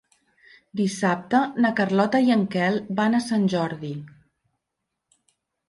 Dissabte na Carlota i en Quel van a Sant Jordi.